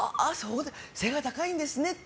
背が高いんですねって。